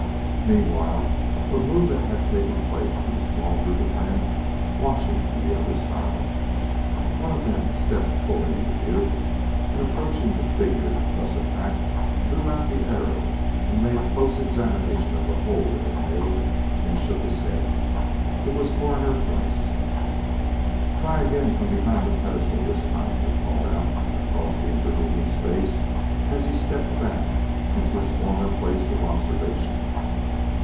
Meanwhile a movement had taken place in the small group of men watching from the other side. One of them stepped fully into view and approaching the figure thus attacked, drew out the arrow and made close examination of the hole it had made and shook his head. It was Coroner Price. "Try again, and from behind the pedestal this time," he called out across the intervening space as he stepped back into his former place of observation.